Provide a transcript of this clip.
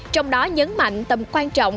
trong đó nhấn mạnh tầm quan trọng